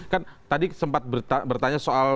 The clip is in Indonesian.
kan tadi sempat bertanya soal